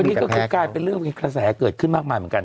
วันนี้ก็คือกลายเป็นเรื่องที่คลาสาห์เกิดขึ้นมากมายเหมือนกัน